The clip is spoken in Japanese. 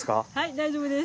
大丈夫です。